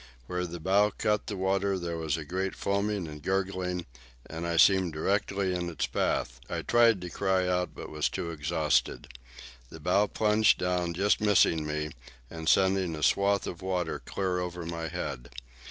Where the bow cut the water there was a great foaming and gurgling, and I seemed directly in its path. I tried to cry out, but was too exhausted. The bow plunged down, just missing me and sending a swash of water clear over my head.